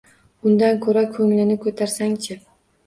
Undan ko‘ra ko‘nglini ko‘tarsang-chi